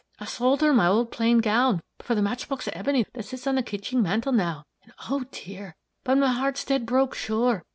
I sowld her my old plaid gown for the match box of ebony that sits on the kitching mantel now, and oh dear! but my heart's dead broke, sure!